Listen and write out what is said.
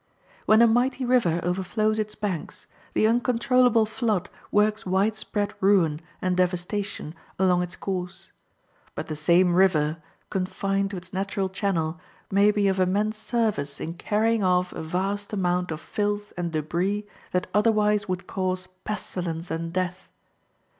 When a mighty river overflows its banks, the uncontrollable flood works wide spread ruin and devastation along its course; but the same river, confined to its natural channel, may be of immense service in carrying off a vast amount of filth and debris that otherwise would cause pestilence and death.